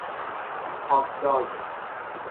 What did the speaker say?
هات داگ